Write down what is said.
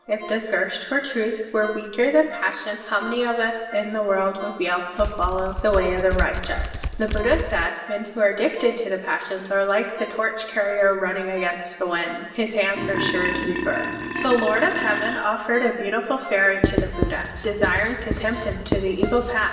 If the thirst for truth were weaker than passion, how many of us in the world would be able to follow the way of right eousness?'* (25) The Buddha said: "Men who are addicted to the passions are like the torch carrier running against the wind; his hands are sure to be burned." (26) The Lord of Heaven offered a beautiful fairy to the Buddha, desiring to tempt him to the evil path.